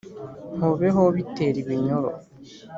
Hobe hobe itera ibinyoro.